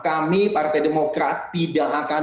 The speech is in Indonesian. kami partai demokrat tidak akan